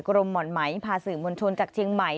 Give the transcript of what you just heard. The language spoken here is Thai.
หม่อนไหมพาสื่อมวลชนจากเชียงใหม่